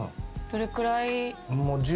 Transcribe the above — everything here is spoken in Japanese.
どれくらい？